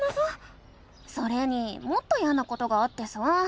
それにもっといやなことがあってさ。